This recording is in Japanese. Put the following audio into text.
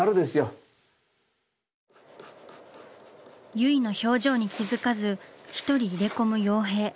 結衣の表情に気付かず一人入れ込む洋平。